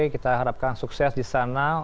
kita harapkan sukses di sana